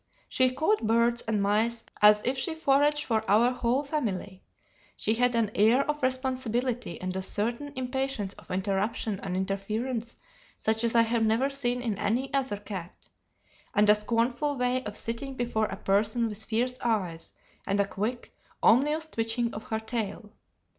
She caught birds and mice as if she foraged for our whole family: she had an air of responsibility and a certain impatience of interruption and interference such as I have never seen in any other cat, and a scornful way of sitting before a person with fierce eyes and a quick, ominous twitching of her tail.